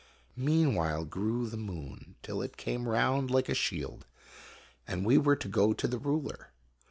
Meanwhile grew the moon, till it came round like a shield, and we were to go to the ruler.